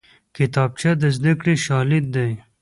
کتابچه د زدکړې شاليد دی